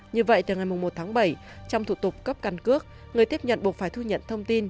như vậy từ ngày một tháng bảy trong thủ tục cấp căn cước người tiếp nhận buộc phải thu nhận thông tin